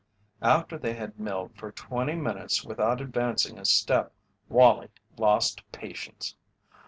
After they had milled for twenty minutes without advancing a step Wallie lost patience.